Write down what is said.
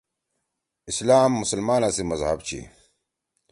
اسلام مسلمانا سی مذہب چھی۔